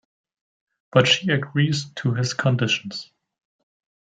But she agrees to his conditions.